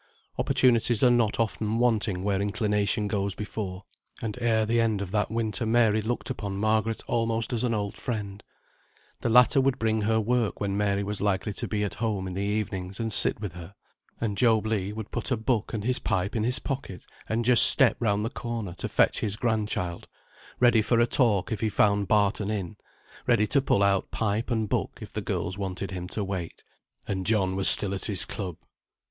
Opportunities are not often wanting where inclination goes before, and ere the end of that winter Mary looked upon Margaret almost as an old friend. The latter would bring her work when Mary was likely to be at home in the evenings and sit with her; and Job Legh would put a book and his pipe in his pocket and just step round the corner to fetch his grand child, ready for a talk if he found Barton in; ready to pull out pipe and book if the girls wanted him to wait, and John was still at his club.